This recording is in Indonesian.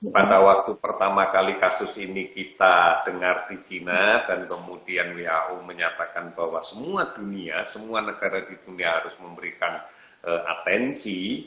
pada waktu pertama kali kasus ini kita dengar di china dan kemudian who menyatakan bahwa semua dunia semua negara di dunia harus memberikan atensi